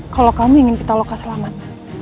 kalau kamu ingin pitaloka selamat